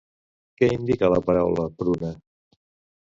Què indica la paraula "pruna"?